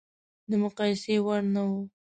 د مقایسې وړ نه و.